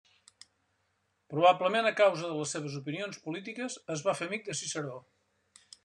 Probablement a causa de les seves opinions polítiques, es va fer amic de Ciceró.